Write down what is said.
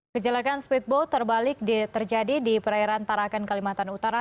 kejelakan speedboat terbalik terjadi di perairan tarakan kalimantan utara